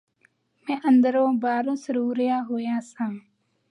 ਮੈ ਅੰਦਰੋ ਬਾਹਰੋਂ ਸਰੂਰਿਆ ਹੋਇਆ ਸਾਂ